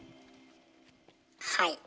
はい。